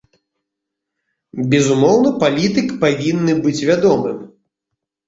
Безумоўна, палітык павінен быць вядомым.